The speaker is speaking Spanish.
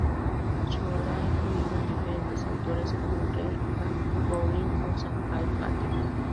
Su obra ha influido en diferentes autores como J. K. Rowling o Sanjay Patel.